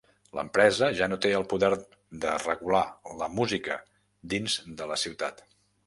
L'Empresa ja no té el poder de regular la música dins de la Ciutat.